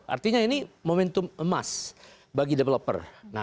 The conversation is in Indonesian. artinya ini momentum emas bagi developer